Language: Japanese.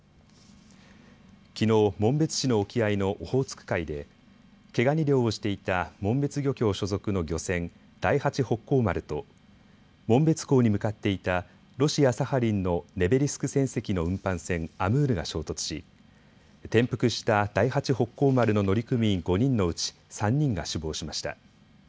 きのう、紋別市の沖合のオホーツク海で毛ガニ漁をしていた紋別漁協所属の漁船、第八北幸丸と紋別港に向かっていたロシア・サハリンのネベリスク船籍の運搬船、ＡＭＵＲが衝突し転覆した第八北幸丸の乗組員５人のうち３人が死亡しました。